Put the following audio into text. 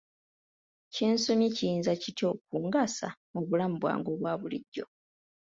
Kye nsomye kiyinza kitya okungasa mu bulamu bwange obwabulijjo?